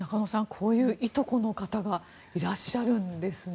こういういとこの方がいらっしゃるんですね。